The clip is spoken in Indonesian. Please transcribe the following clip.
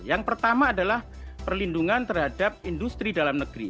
yang pertama adalah perlindungan terhadap industri dalam negeri